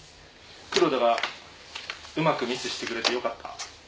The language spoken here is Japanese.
黒田がうまくミスしてくれてよかった。